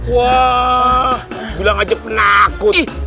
wah bilang aja penakut